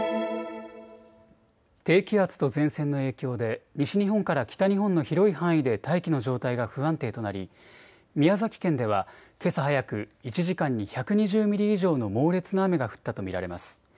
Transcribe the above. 低気圧と前線の影響で西日本から北日本の広い範囲で大気の状態が不安定となり宮崎県では、けさ早く１時間に１２０ミリ以上の猛烈な雨が降ったと見られます。